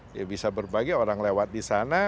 dia bisa berbagi orang lewat di sana